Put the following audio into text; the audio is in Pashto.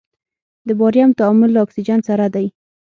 د باریم تعامل له اکسیجن سره دی.